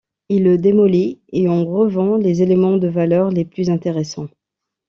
Il le démolit, et en revend les éléments de valeur les plus intéressants.